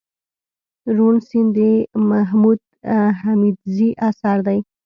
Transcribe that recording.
روڼ سيند دمحمود حميدزي اثر دئ